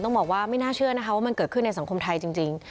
ต้องบอกว่าไม่น่าเชื่อนะคะว่ามันเกิดขึ้นในสังคมไทยจริง